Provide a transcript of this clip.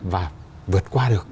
và vượt qua được